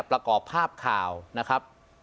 ประกอบภาพข่าวนะครับ